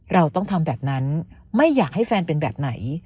เราต้องทำแบบนั้นไม่อยากให้แฟนเป็นแบบไหน